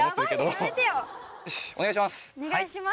はいお願いします。